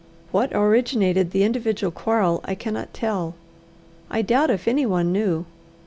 What originated the individual quarrel I cannot tell. I doubt if anyone knew.